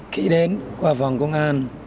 khi đến qua phòng công an